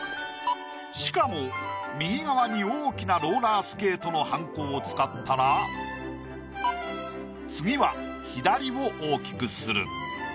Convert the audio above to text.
しかも右側に大きなローラースケートのはんこを使ったら次は左を大きくする。